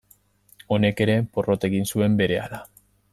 Honek ere, porrot egin zuen berehala.